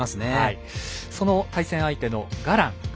その対戦相手のガラン。